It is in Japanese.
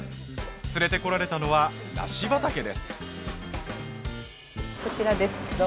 連れてこられたのは梨畑です。